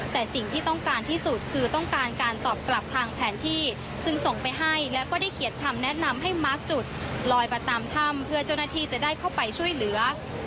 แต่สิ่งที่ต้องการที่สุดคือต้องการการตอบกลับทางแผนที่ซึ่งส่งไปให้แล้วก็ได้เขียนคำแนะนำให้มาร์คจุดลอยมาตามถ้ำเพื่อเจ้าหน้าที่จะได้เข้าไปช่วยเหลือ